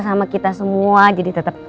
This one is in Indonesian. sama kita semua jadi tetap